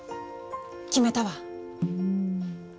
決めたわ！